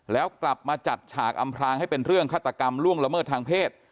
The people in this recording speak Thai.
แล้วกลับมาจัดฉากอำพลางให้เป็นเรื่องฆาตกรรมล่วงละเมิดทางเพศ